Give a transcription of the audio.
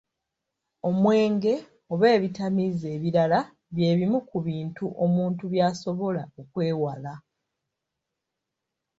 Omwenge oba ebitamiiza ebirala bye bimu ku bintu omuntu by’asobola okwewala.